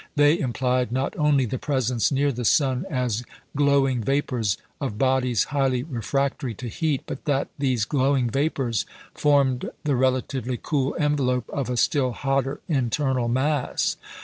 They implied not only the presence near the sun, as glowing vapours, of bodies highly refractory to heat, but that these glowing vapours formed the relatively cool envelope of a still hotter internal mass.